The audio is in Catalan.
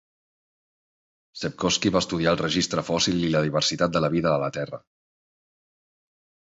Sepkoski va estudiar el registre fòssil i la diversitat de la vida a la terra.